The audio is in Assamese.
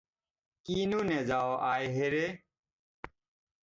কিয়নো নেযাৱ আই হেৰে?